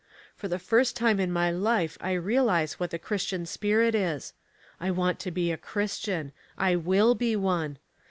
For the first time in my life I realize what the Christian spirit is, I want to be a Christian — I will be one.